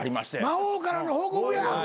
魔王からの報告や。